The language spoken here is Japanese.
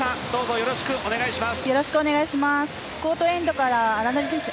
よろしくお願いします。